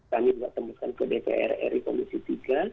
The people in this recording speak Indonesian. kami juga tembuskan ke dpr ri komisi tiga